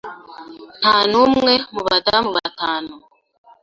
Nta n'umwe mu badamu batanu.